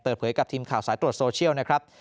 เปิดเผยกับทีมข่าวสายตรวจโซเชียลนะครับ